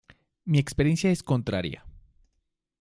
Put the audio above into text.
Mi experiencia es contraria.